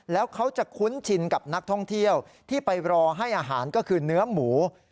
แล้วเขาจะคุ้นชินกับนักท่องเที่ยวที่ไปรอให้อาหารก็คือเนื้อหมู